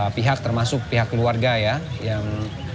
pihak termasuk pihak keluarga ya yang